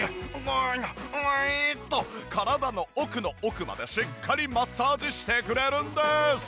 グイグイグイーッと体の奥の奥までしっかりマッサージしてくれるんです。